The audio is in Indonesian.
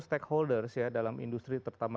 stakeholders dalam industri terutama